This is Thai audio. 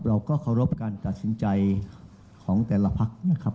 เราก็เคารพการตัดสินใจของแต่ละพักนะครับ